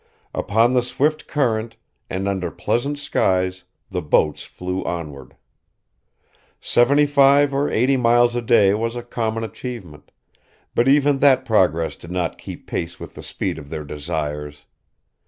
Upon the swift current, and under pleasant skies, the boats flew onward. Seventy five or eighty miles a day was a common achievement; but even that progress did not keep pace with the speed of their desires.